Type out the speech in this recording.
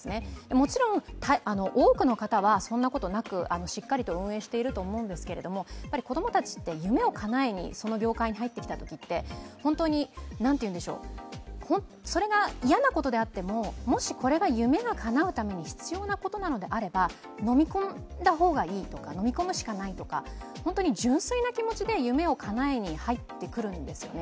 もちろん多くの方はそんなことなく、しっかりと運営していると思うんですが、子供たちって夢をかなえにその業界に入ってきたとき、それが嫌なことであっても、もしこれが夢がかなうことに必要なことであればのみ込んだ方がいい、のみ込むしかないとか、純粋な気持ちで夢をかなえに入ってくるんですよね。